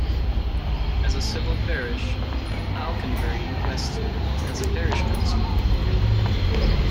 As a civil parish, Alconbury Weston has a parish council.